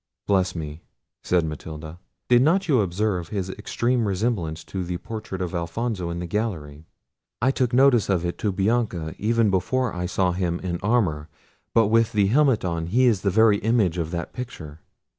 "Bless me," said Matilda, "did not you observe his extreme resemblance to the portrait of Alfonso in the gallery? I took notice of it to Bianca even before I saw him in armour; but with the helmet on, he is the very image of that picture."